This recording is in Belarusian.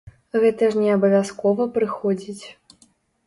Гэта ж не абавязкова прыходзіць.